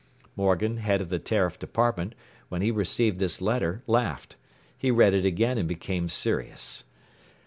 ” Morgan, head of the Tariff Department, when he received this letter, laughed. He read it again and became serious.